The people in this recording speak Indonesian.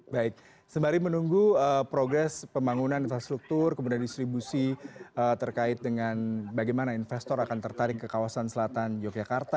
baik sembari menunggu progres pembangunan infrastruktur kemudian distribusi terkait dengan bagaimana investor akan tertarik ke kawasan selatan yogyakarta